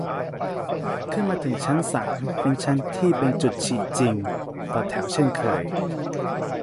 ขึ้นมาถึงชั้นสาม เป็นชั้นที่เป็นจุดฉีดจริง ต่อแถวเช่นเคย